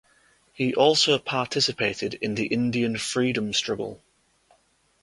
He also participated in the Indian freedom struggle.